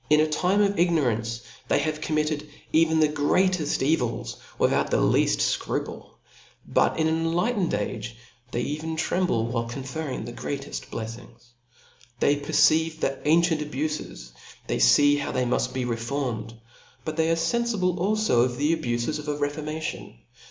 a time of. ignorance they have committed .even the greateft cvi^s without the leaft fcruple; but in an enlightened age they even tremble, while conferring the greateft bleiUngs, Th^ perceivp thaa^cient abufes ; they fee how. they muft be reformed s but they are fenfible alfo of the abufes of a re formation.